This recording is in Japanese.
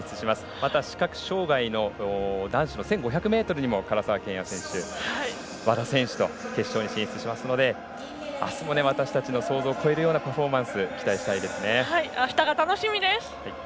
また視覚障がいの男子の１５００ｍにも唐澤剣也選手、和田選手と決勝に進出しますのであすも、私たちの想像を超えるようなあしたが楽しみです。